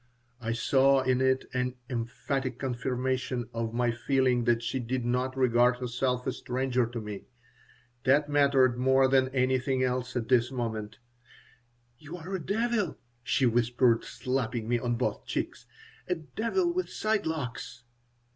I saw in it an emphatic confirmation of my feeling that she did not regard herself a stranger to me. That mattered more than anything else at this moment "You're a devil," she whispered, slapping me on both cheeks, "a devil with side locks."